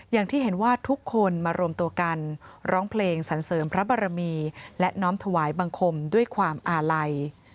อย่างที่เห็นว่าทุกคนมารวมตัวกันร้องเพลงสันเสริมพระบรมีและน้อมถวายบังคมด้วยความอาลัย